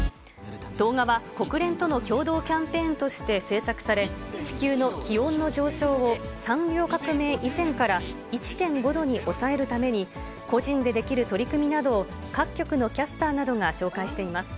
動画は国連との共同キャンペーンとして制作され、地球の気温の上昇を産業革命以前から１．５度に抑えるために、個人でできる取り組みなどを各局のキャスターなどが紹介しています。